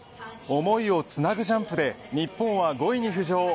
想いをつなぐジャンプで日本は５位に浮上。